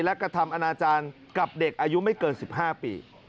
และกระทำอนาจารย์กับเด็กอายุไม่เกิน๑๕ปี